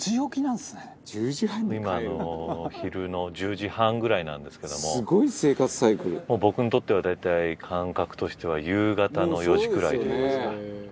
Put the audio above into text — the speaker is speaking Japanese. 今昼の１０時半ぐらいなんですけども僕にとっては大体感覚としては夕方の４時くらいといいますか。